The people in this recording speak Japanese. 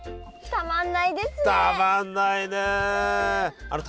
たまんないね！